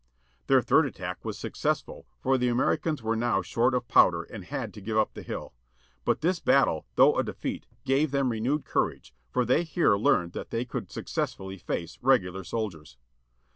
Their third attack was successful, for the Americans were now short of powder and had to give up the hill. But this battle, though a defeat, gave them renewed courage, for they here learned that they could successfully face regular soldiers.